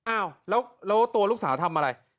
อ้าวแล้วตัวลูกสาวทำอะไร